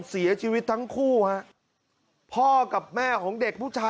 เสียชีวิตทั้งคู่ฮะพ่อกับแม่ของเด็กผู้ชาย